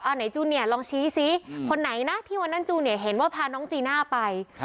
ไหนจูนเนี่ยลองชี้ซิคนไหนนะที่วันนั้นจูเนี่ยเห็นว่าพาน้องจีน่าไป